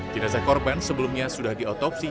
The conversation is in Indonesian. jenazah korban sebelumnya sudah diotopsi